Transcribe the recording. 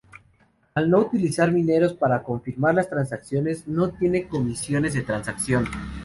Al no utilizar mineros para confirmar las transacciones, no tiene comisiones de transacción.